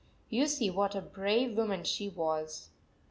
You see what a brave woman she was.